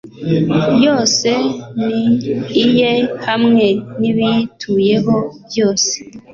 yose ni iye hamwe n’ibiyituyeho byose